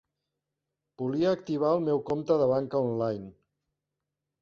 Volia activar el meu compte de banca online.